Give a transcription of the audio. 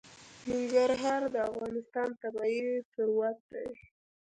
ننګرهار د افغانستان طبعي ثروت دی.